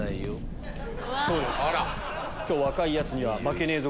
今日若いヤツには負けねぇぞ！